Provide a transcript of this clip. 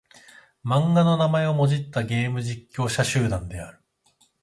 漫画の名前をもじったゲーム実況者集団である。